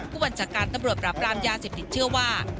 ผู้บัญชาการตำรวจปราบรามยาเสพติดเชื่อว่า